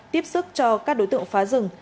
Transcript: tiếp sức cho các đối tượng phá rừng